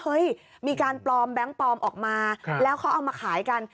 มีการปลอมแบงค์ปลอมออกมาแล้วเขาเอามาขายกัน